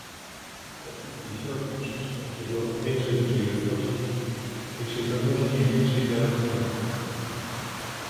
Te wszystkie środki przyczynią się do większej przejrzystości, większej pewności i większej wiarygodności